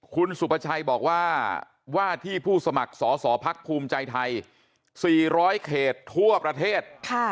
คุณสุภาชัยบอกว่าว่าที่ผู้สมัครสอสอพักภูมิใจไทย๔๐๐เขตทั่วประเทศ